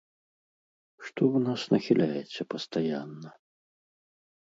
Што вы нас нахіляеце пастаянна?